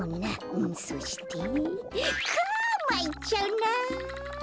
うんそしてくうまいっちゃうな。